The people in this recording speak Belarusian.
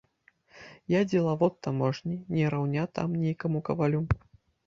Я дзелавод таможні, не раўня там нейкаму кавалю.